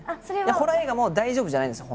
ホラー映画も大丈夫じゃないんですよ